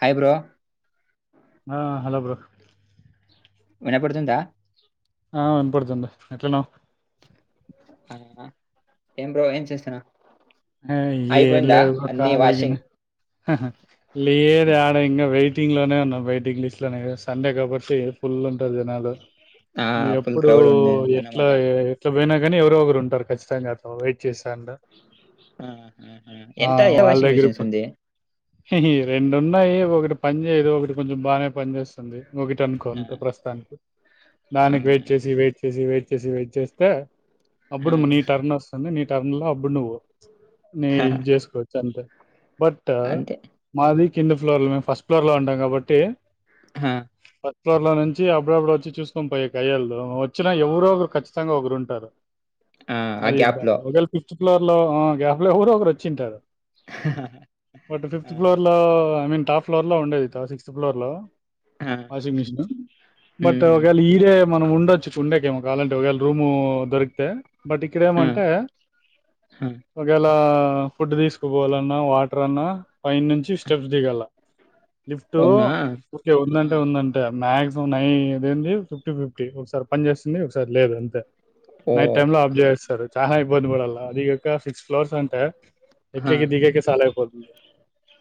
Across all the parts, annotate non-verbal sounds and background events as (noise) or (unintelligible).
Hi bro ఆ hello bro వినపడుతుందా ఆ వినపడుతుంది. ఎట్లఉన్నావ్. ఏం బ్రో ఏం చేస్తున్నావ్. ఆ ఏంలేదు బ్రో అన్ని ఖాళీగనే. వాషింగ్ లేదు ఆడ ఇంగా వెయిటింగ్ లోనే ఉన్నా వెయిటింగ్ లిస్ట్ లోనే సండే కాబట్టి ఫుల్ ఉంటరు జనాలు. ఆ ఫుల్ ఎప్పుడూ క్రౌడ్ ఉంది ఎట్లా అన్నమాట ఎట్ల పోయినా కానీ ఎవరో ఒకరు ఉంటారు కచ్చితంగా వెయిట్ చేసి తండు ఆ ఆ హా ఎంత అయా వాషింగ్ మిషిన్స్ ఉంది. రెండు ఉన్నాయి ఒకటి పని చ ఏదో ఒకటి కొంచెం బానే పని చేస్ తుంది ఒకటి అనుకో ఆ, అంతే ప్రస్తుతానికి దానికి అవునా. వెయిట్ చేసి వెయిట్ చేసి వెయిట్ చేసి వెయిట్ చేస్తే ఆ, అప్పుడు నీ టర్న్ వస్తుంది నీ టర్న్ లో అప్పుడు నువ్వు నే ఆ, యూస్ చేసుకోవచ్చు అంతే. బట్టా అంతే మాదిక్ కింద ఫ్లోర్ల మేము ఫస్ట్ ఫ్లోర్ లో ఉంటాం కాబట్టి హా ఫస్ట్ ఫ్లోర్ లో నుంచి అప్పుడప్పుడు వచ్చి చూసుకొని పోయ కయ్యాళ్ళదు వచ్చినా ఎవరో ఒకరు ఖచ్చితంగా ఒకరు ఉంటారు. ఆ ఆ అది గ్యాప్ ఇబ్బంది లో ఒకవేళ ఫిఫ్త్ ఫ్లోర్ లో ఆ గ్యాప్లో కూడా ఒకరు వచ్చింటారు. బట్ ఆ, ఫిఫ్త్ ఫ్లోర్ లో ఐ మీన్ టాప్ ఫ్లోర్ లో ఉండేది త సిక్స్త్ ఫ్లోర్ లో ఆ, వాషింగ్ మిషిను హ్మ్, బట్ హ్మ్. ఒకేళ ఈడే. మనం ఉండొచ్చు ఉండేక ఏమో కావాలంటే ఒకవేళ రూమూ దొరికితే బట్ ఇక్కడ ఆ, ఏమంటే ఆ. ఒకేలా ఫుడ్ తీసుకుపోవాలన్నా వాటర్ అన్నా పై నుంచి స్టెప్స్ దిగాల లిఫ్టూ అవునా ఒకే ఆ, ఉందంటే ఉందంటే మ్యాగ్ మం ఆది ఏంది ఫిఫ్టీ ఫిఫ్టీ ఒకసారి పనిచేస్తుంది ఒకసారి లేదు అంతే. ఓ నైట్ టైమ్ లో ఆఫ్ చేసేస్తారు చాలా ఇబ్బందిబడాలా అదికాక సిక్స్ క్లోజ్ అంట ఆ, ఎక్కేకి దిగేకే సాలుఅయిపోద్ది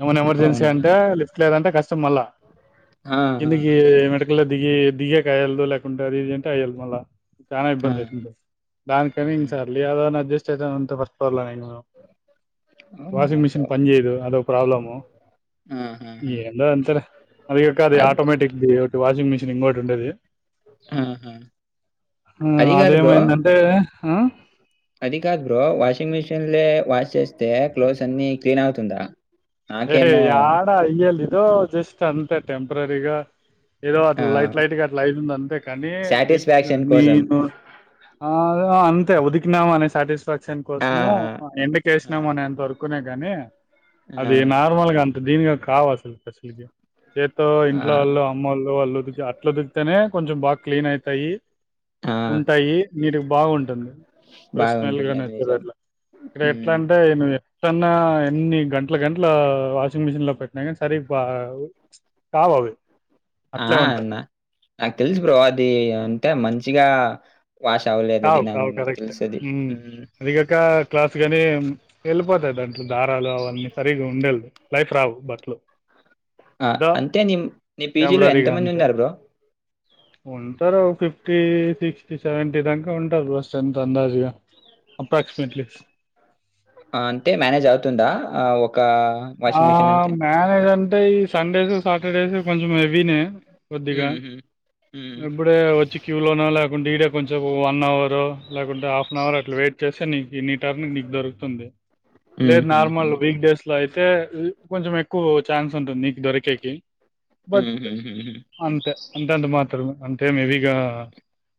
ఏమైనా ఎమర్జెన్సి అవునా అంటె లిఫ్ట్ లేదు అంటే కష్టం మల్లా ఆ, ఆ, ఆ, కిందికి మెటికల్ దిగి దిగేకి అయల్దిలేదు అది ఇది అంటే అయ్యేల్దుదు మల చాన ఆ, ఇబ్బంది అఇతుంది ఆ. దానికని సర్లే యదో అని అడ్జస్ట్ ఛీ దానంత వరస్ట్ పర్లను (unintelligible) అవునా వాషింగ్ మిషన్ బ్రో పని చేయదు అదొ ప్రాబ్లము ఆ, ఆ, ఆ. ఎందో అంతే లే ఆది కాక అది అద్- ఆటోమేటిక్ ది ఒకటి వాషింగ్ మిషన్ ఇంకోటి ఉండేది ఆ, ఆ. హ్మ్ అది కాదు బ్రో అదేమైంది అంటే ఆ అది కాదు బ్రో వాషింగ్ మిషిన్లే వాష్ చేస్తే క్లవ్స్ అన్ని క్లీన్ అవుతుందా రెయ్ నాకేమో యాడా ఐఎలిది ఎదో జస్ట్ అంతే టెంప్రరిగా ఏదో అట్ల లైట్ ఆహ్, లైట్గా అట్లా అయితుంది అంతే కానీ విత్ నను సాటిస్ఫాక్షన్ కోసం అంతే అంతే ఉతికినామాన్ని సాటిస్ఫాక్షన్ క్షన్ కోసము ఆహ్, ఎండకి వేసినామో ఆహ్, అనేంతవరకు నే గాని అది ఆహ్, నార్మల్గా అంత దీనిగా కావ అసలు చేతితో ఇంట్లో ఆహ్, వాళ్ళు అమ్మ వోళ్ళు వాళ్ళు ఉతికి అట్లా ఉతికితేనే కొంచెం బాగా క్లీన్ అయితాయి ఆహ్, ఉంటాయి నీటిగా బాగుంటుంది ఫ్రెష్ స్మెల్ బాగుంటుంది. అది నిజం. గానిస్తుందిట్లా ఇక్కడ ఎట్లా హ్మ్. అంటే ఏంతన్న ఎన్ని గంట గంటలు వాషింగ్ మిషన్ లో పెట్టినాకనీ సరిగ్కా కావు అవి ఆ అట్లే ఉంటాయి ఆన్నా నాకు తెల్సు బ్రో అది అంటే మంచ్ చిగా కావు కావు కరెక్ట్ హ్మ్. అదికాక క్లాత్ కాగాని వెల్లిపోతాయ్ దంతో దారాలు అవన్నీ సరిగగా ఉండేలదు లైఫ్ రావు బట్లు అ అంతే నీ నీ పీజీలో టెంపరీగా ఎంతమంది అంతే ఉన్నారు బ్రో ఉంటారు ఒక ఫిఫ్టీ సిక్స్టీ సెవెంటీ దాక ఉంటారు బ్రో స్ట్రెంత్ అందాజగా అప్రాక్సిమేట్లీ ఆ అంటె మేనేజ్ అవుతుందా ఆ ఒ ఆ మేనేజ్ అంటే ఈ సండేస్ సాటర్డేస్ కొంచెం హెవీనే కొద్దిగా హ్మ్. హ్మ్. హ్మ్. ఇప్పుడే వచ్చి క్యూ లోన లేకుండా ఈడె కొంచెం వన్ అవర్ లేకుంటే హాఫ్ అన్ అవర్ అట్లా వెయిట్ చేస్త సో నీకు నీ టర్న్ నీకు దొరుకుతుంది హ్మ్. లేదు హ్మ్. నార్మల్ హ్మ్. వీక్ డేస్ లో అయిత్ హు కొంచెం ఎక్కువ ఛాన్స్ ఉంటుంది నీకు దొరికేకి బట్ హ్మ్. హ్మ్. హ్మ్. అంతే అంతే అంత మాత్రే అం అంటే మీవిగా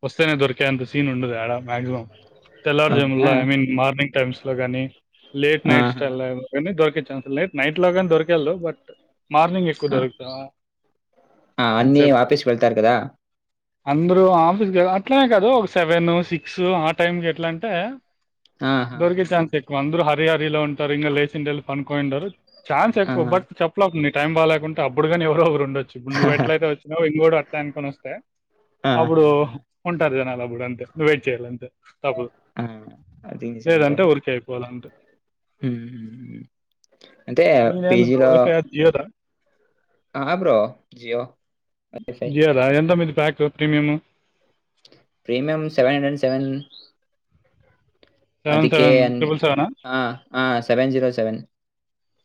వస్తేనే దొరికేంత సీన్ ఉండది, ఆడ మాక్సిమం తెల్లారుజము అవునా? లో ఐ మీన్ మార్నింగ్ టైమ్స్ లో కాని లేట్ నైట్ ఆహా! స్టైల్ కానీ దొరికే చాన్స్. నెట్ లో దొరికెలు బట్ మార్నింగ్ ఎక్కువ ఆ దొరుకుతా ఆ అన్నీ వాపేసు పెడతారు కదా అందరుూ ఆఫీస్ అట్లనే కాదు ఒక సెవెన్ సిక్స్ ఆ టైంకి ఎట్లా అంటే దొరికే ఆహాహాహా! చాన్స్ ఎక్కువ అందరు హ తయారిలో ఉంటారు ఇంకా లేచిండేళ్ళు పను కోయిండారు ఛాన్స్ ఆ! ఎక్కువ బట్ చెప్పలేక ఉంది టైం బాగకుంటే అప్పుడు కానీ ఎవరో ఓగరు వచ్చ ఇప్పుడు నువ్వుట్లయితే వచ్చినవో ఇంగోడు ఆ ప్లాన్ కొనొస్తే అప్పుడు ఆహాహా! ఉంటారు జనాలు అప్పుడంటే ను వెయిట్ చేయాల అంతే తప్పుదు ఆ! లేదంటే ఉరికె అయిపోవాలంతే హ్మ్మ్ అంటే నీదేంది బ్రో పేజీలో వైఫై జియోదా? ఆ bro Jio wifi stock premium premium seven hundred and seven అదికే ఎన్ ఆ ఆ seven zero seven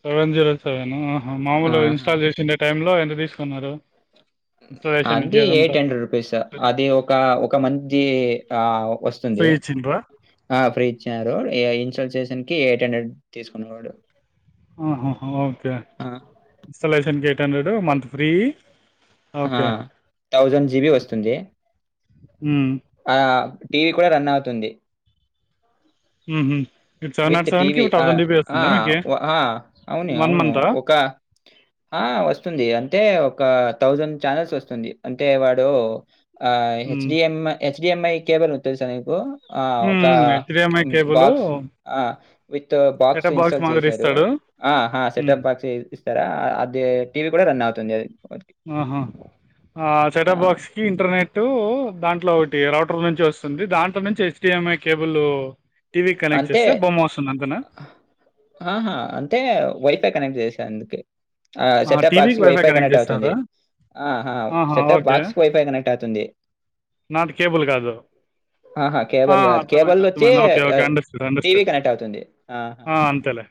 seven zero seven హ మామూలు గా ఆహా! ఇన్స్టాల్ చేసిండే టైంలో లో ఎంత తీసుకున్నారు ఇన్‌స్టాలేషన్‌కి అది అదంతా? ఎయిట్ హండ్రెడ్ రూపీస్ అది ఒక ఒక మంత్ కీ ఆ వస్తుంది ఫ్రీ ఇచ్చిండ్రా ఆ ఫ్రీ ఇచ్చారు ఏఐ ల్ చేసంకీ ఎయిట్ హండ్రెడ్ తీసుకుండు వాడు హాహా ఓకే ఇన్స్టాలేషన్ గేట్ ఎయిట్ హండ్రెడు మంత్ ఫ్రీ ఆ ఓకే థౌజండ్ జీబి వస్తుంది హ్మ ఆ టీవీ కూడా రన్ అవుతుంది హ్మ్మ్ విత్ టీవీ అ ఆ ఆ అవును వన్ అవును మంతా ఒక ఆ వస్తుంది అంటే ఒక థౌజండ్ ఛానల్స్ వస్తుంది అంటే వాడు ఆ హెచ్డీఎం హెచ్ హెచ్డీఎంఐ కేబల్ గురించీ తెలుసా మీకూ ఉమ్ హెచ్డీఎంఐ కేబులూ ఆ విత్ బాక్స్ ఇన్స్టాల్ చేశారు ఇస్తాడు ఆ ఆ ఉమ్, సెటప్ బాక్స్ ఇస్తారా అది టీవీ కూడా రన్ అవుతుంది అది ఆహా ఆ ఆ! సెటప్ బాక్స్ కీ ఇంటర్నేెట్ ఇటు దాంట్లో ఒకటి రౌటర్ నుంచి వస్తుంది దాంట్లో నుంచి హెచ్డిఎంఐ కేబుల్ ఊ అంతే ఆ హా హా అంటే వైఫై కనెక్ట్ చేసి అందుకే ఆ సెటప్ బాక్స్ కి వైఫై కనెక్ట్ అవుతుంది ఆహా సెటప్ బాక్స్ కు వైఫై కనెక్ట్ అవుతుంది నాట్ కేబుల్ కాదు ఆహా కేబుల్ కాదు కేబుల్ వచ్చి అండర్స్టుడ్ ఆ అంతేలే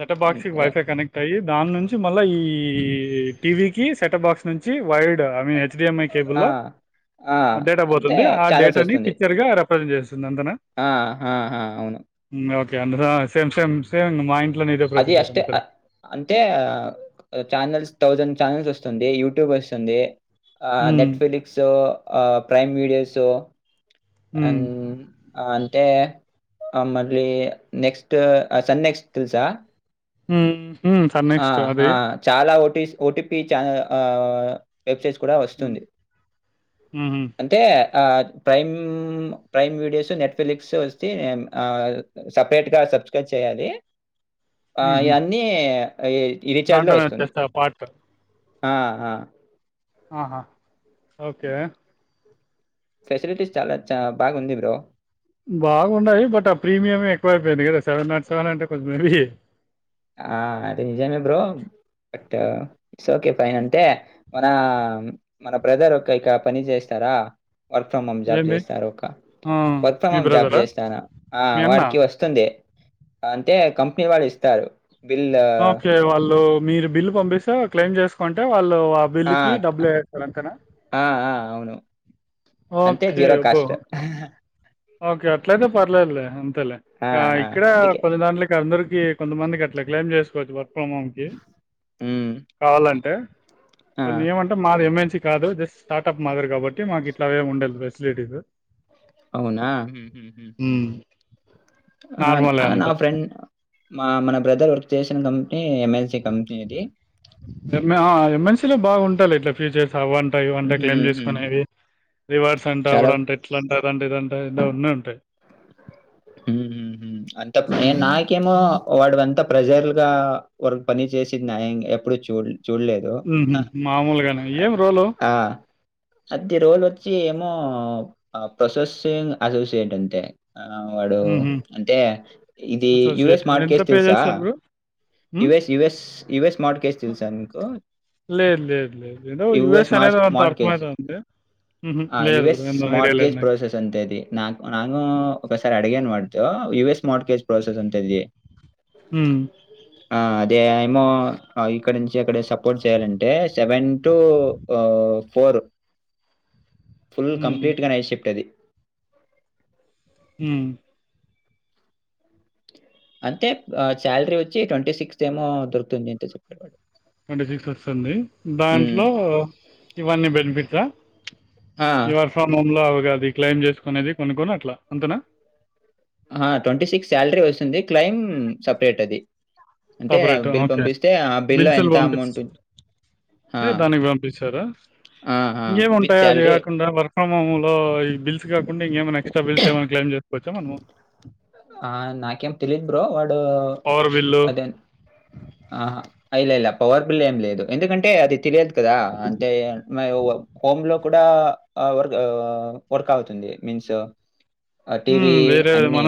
సెట్ బాక్స్ కీ అంతే. వైఫై కనెక్ట్ అయి దాన్నుంచి మళ్ళా ఈ టీవీ కీ సెటప్ బాక్స్ నుంచి వైడ్ అంటే హెడ్మిఐ ఐ ఆ! కేబుల్లో ఆ! డేటా అంటే పోతుంది ఆ చానెల్స్ డేటాని వస్తుంది. పిక్చర్ గా పనిచేస్త ఆహా అవును అ సేమ్ సేమ్ సేమ్ మా ఇంట్లో అది అష్టే అంటే ఛానల్స్ థౌసండ్ ఛానల్స్ వస్తుంది యూట్యూబ్ వస్తుంది హ్మ్. నెట్ఫిలిక్స్ ప్రైమ్ వీడియోస్ అ హ్మ్. ఆ అంతే ఆ మళ్ళీ నెక్స్ట్ సన్ నెక్స్ట్ తెల్సా హ ఆ ఆ చాలా ఒట్ ఓటిపి చా వెబ్సైట్స్ కూడా హ్మ్. వస్తుంది హుహు. అంటే ప్రైమ్ ప్రైమ్ వీడియోస్ నెట్ఫ్లిక్స్ వస్తేే సపరేట్గా సబ్స్క్రైబ్ చేయాలి ఆ హుహు. ఇవన్నీ ఈ రిచార్జ్ లో దాంట్లోనే వస్తుంది వచ్చేస్తే ఆ పార్ట్. ఆ ఆా ఆహా ఓకే ఫెసిలిటీస్ చాలా చ బాగా ఉంది బ్రో బాగున్నాయి బట్ ఆ ప్రీమియం ఎక్కువైపోయింది కదా సెవెన్ నాట్ సెవెన్ అంటే కొంచెం ఇవి ఆది నిజానికి బ్రోట్ట ఇట్స్ ఓకే ఫైన్ అంటే మన మన బ్రదర్ ఒక ఇక పని చేస్తారా వర్క్ ఫ్రమ్ హోమ్ జాబ్ ఏంది? చేస్తారు ఒక ఆ! వర్క్ ఫ్రమ్ మీ హోమ్ జాబ్ బ్రదరా? చేస్తాను ఆ మీ అన్నా? వాడికి వస్తుంది అంటే కంపెనీ వాళ్ళు ఇస్తారు బిల్ ఆ కే వాళ్ళు మీరు బిల్లు పంపిస్తా క్లెమ్ చేసుకుంటే వాళ్ు ఆ బిల్ కి డబ్బులు వేస్తాకనా ఆ ఆ అవును అంతే జీరో అబ్బో! కాస్ట్ ఓకే అట్లయితే పర్లేదులే లే ఆ ఆ ఇక్కడ అందుకే. కొన్ని దాంట్లకి అందరు కొంత మందికి అలా కలైమ్ చేసుకోవచ్చు వర్క్ ఫ్రమ్ హోమ్ కి హ్మ్. కావాలంటే ఆ ఇ ఏమంటే మాది ఏమ కాదు జస్ట్ స్టార్ట్ప్ మాదిరి కాబట్టి మాకు ఇట్లా ఉండదు ఫెసిలిటీస్ అవునా హ్మ్. నార్మలే నా అంతా. ఫ్రెండ్ మా మన బ్రదర్ వర్క్ చేసిన కం ఎ ఎంఎన్సిలో బాగుంటాల ఇట్లా పీడిక్ అవ్వంటా ఇవంటా క్లెయిమ్ హుహుహు. చేసుకునేవి రివార్డ్స్ అంట చాలా అవిడంట ఎట్లాంట అదే ఇద ఇ ఉన్న ఉంటాయి అంత నేను హ్మ్. నాకేమో వాడు అంతా ప్రజర్లుగా వరకు పని చేసి యా ఎప్పుడు చూడ మామూలుగానే ఏం రోలు ఆ! అది రోజు వచ్చి ఏమో ప్రొసెసింగ్ అసోసియేట్ అంతే అ వాడు హుహు. అంటే ఇది అసోసియేట్ యుఎస్ మార్ట్ ఎంత కేస్ పే తెలుసా చేస్తారు బ్రో? హ్మ్. US yes US smart cage తెలుసా మీకు లేదు, లేదు, లేదు. ఏదో యుఎస్ యూఎస్ అనేది అంత స్మార్ట్ కేజ అర్థమైతుంది. హుహు. లేదు బ్రో యుఎస్ ఏందో స్మార్ట్ ఐడియా లేదు కేజ్ నాకు. ప్రాసెస్ అంతే ఇది నాకు నాను ఒకసారి అడిగాను వాడు యయుఎస్ స్మార్ట్ కేచ్ ప్రోసెస్ అంతలి హ్మ్. ఆ అదే ఏమో ఇక్కడ నుంచి అక్కడ సపోర్ట్ చేయాలంటే సెవెన్ టు ఫోర్ ఫుల్ హ్మ్. కంప్లీట్గా నైట్ షిఫ్ట్ అది హ అంటే శాలరీ వచ్చి ట్వంటీ సిక్స్త్ ఏమో దొరుకుతుంది అంతే చెప్పారు వాడు ట్వంటీ సిక్స్ వస్తుంది హ్మ్. దాంట్లో ఇవన్నీ బెనిఫిట్సా ఆ! ఈవర్ ఫ్రమ్ హోమ్ లో ది క్లైయిమ్ చేసుకునేది కొన్ని కొన్ని అట్లా అంతనా ఆ ట్వంటీ సిక్స్ శాలరీ వస్తుంది క్లైమ్ సపరేట్ అది అంటే సపరేట్ బిల్ ఓకే పంపిస్తే ఆ బిల్‌లో బిల్సులు ఎంత పంపిస్త అమౌంట్ ఉం ఆ! దానికి పంపిస్తారా ఆ! ఆ! విత్ ఇంకేముంటాయా అది సాలరీ. కాకుండా వర్క్ క్రమంలో ఈ బిల్స్ కాకుండా ఇంకేమైనా ఎక్స్ట్రా బిల్స్ ఏమైనా క్లైమ్ వచ్చామను ఆ నాకేం తెలిద్ బ్రో వాడు పవర్ బిల్లు అదేన్ ఆహా ఇలా ఇలా పవర్ బిల్ ఏం లేదు ఎందుకంటే అది తెలియదు కదా అంటే హోమ్ లో కూడా వ వర్క్ అవుతుంది మీన్స్ టివి అన్ని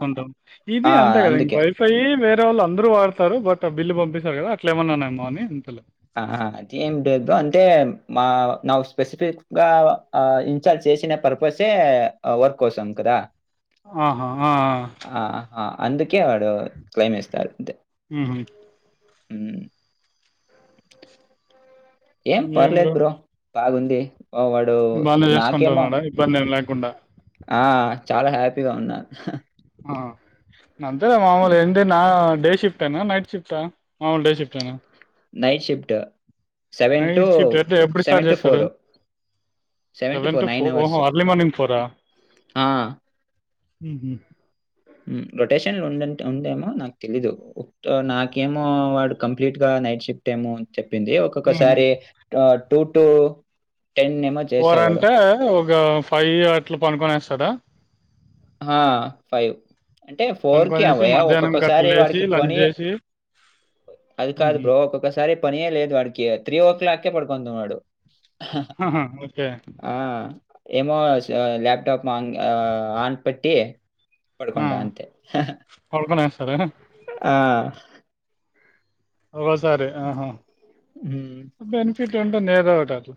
కుంటాం ఇది అంతే కదా ఇం వైఫై వేరే వాళ్ళు అందరుూ వాడాతారు బట్ బిల్లు పంపిస్తారు కద అట్ ఏమన్నానేమో ఆహా! అదేం లేదు బ్రో. అంటే మా నా్ స్పెసిఫిక్ గా ఇన్స్టాల్ చేసిన పర్పసే వర్క్ కోసం కదా ఆహా ఆ ఆహా! అందుకే వాడు క్లైమ్ ఇస్తారు ఆ హ ఏం పర్లేదు బ్రో బాగుంది ఆహ్, వాడు బానే నాకేమో చేసుకుంటాన్నాడా ఇబ్బంది ఏం లేకుండా ఆ! చాలా హ్యాపీగా ఉన్నాను ఆ అంతే మామలు ఏంట నా డే ఫ్ట్ అనా నైట్ షిఫ్టా అవున్ డే షిఫ్ట్ ఎనా night shift seven to night shift అయితే ఎప్పుడు సెవెన్ స్టార్ట్ టూ చేస్తాడు four seven to four to nine hours ఓహో అర్లీ మార్నింగ్ ఆ ఉహు ఉ రొటేషన్లు ఉండంట్ ఉందేమో నాకు తెలీదు. ఉప్త్ నాకేమో వాడు కంప్లీట్ గా నైట్ షిఫ్ట్ ఏమో చెప్పింది హుహు. ఒక్కొక్కసారి టొ టూటో ఫోర్ అంటే ఒక ఫైవ్ అట్ల పనుకొనేస్సాడా. ఆ ఫైవ్ అంటే ఫోర్ కి పనుకొనేసి అవయా, మధ్యాహ్నం గట్ల ఒక్కొక్కసారి లేచి వాడికి లంచ్ పని చేసి అది కాదు, ఉహు. బ్రో ఒక్కొక్కసారి పనియే లేదు, వాడికి త్రీ ఓ క్లాక్ పడు వందువాడు. ఆహా ఓకే ఏమో స్ ల్యాప్టాప్ మాంగ్ ఆ ఆన్ పట్టి ఆ! పడుకంట అంతే పడుకొనేస్తారా? ఆహాహ్ ఆ ఒసారి ఆహ హ్మ్. బెనిఫిట్ ఉంటుంది. ఏదొటి అట్లా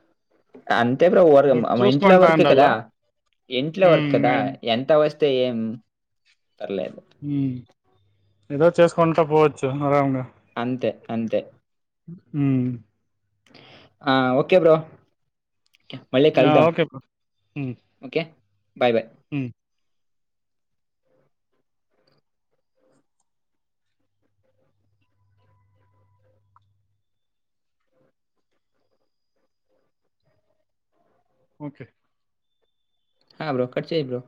అంతే బ్రో. వర్ మీర్ మా ఇంట్లో వరకే చూసుకుంటాండలా కదా! ఉ అయ్ తే ఏం పర్లేదు. ఉ ఏదో చేసుకుంటా పోవచ్చు ఆరాంగా అంతే అంతే ఉ ఆ ఓకే బ్రో మళ్ళీ యాహ్! కల్దాం ఓకే బ్రో. హ్మ్. ఓకే. బాయ్ బాయ్ హ్మ్. ఓకే హ బ్రో కట్ చెయ్ బ్రో